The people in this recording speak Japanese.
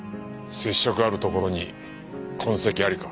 接触あるところに痕跡ありか。